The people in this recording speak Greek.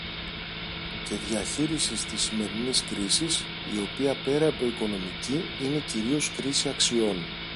και διαχείρισης της σημερινής κρίσης, η οποία πέρα από οικονομική είναι κυρίως κρίση αξιών.